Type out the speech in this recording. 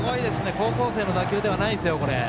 高校生の打球ではないですよ。